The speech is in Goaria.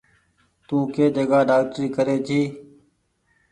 تم ڪي جگآ ڊآڪٽري ڪري ڇي۔